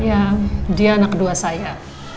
ya dia anak kedua saya